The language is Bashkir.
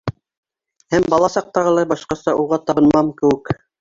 Һәм бала саҡтағылай башҡаса уға табынмам кеүек.